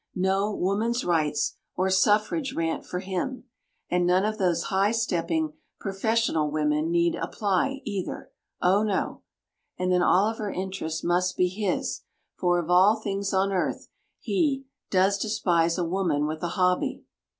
No "woman's rights" or "suffrage rant" for him, and none of those high stepping professional women need apply either oh, no! And then all of her interests must be his, for of all things on earth, he "does despise a woman with a hobby!"